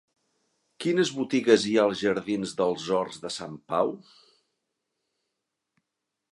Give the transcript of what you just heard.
Quines botigues hi ha als jardins dels Horts de Sant Pau?